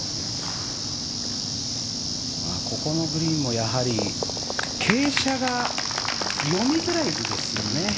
ここのグリーンもやはり傾斜が読みづらいですよね。